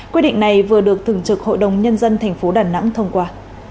quyết định này vừa được thường trực hội đồng nhân dân tp đà nẵng thông qua